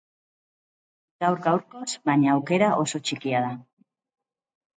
Gaur gaurkoz, baina, aukera oso txikia da.